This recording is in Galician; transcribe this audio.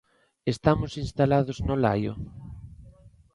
Estamos instalados no laio?